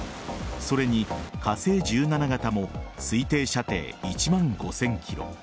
それに火星１７型も推定射程１万５０００ｋｍ。